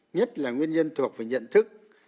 nhất là nguyên nhân thuộc về nhận thức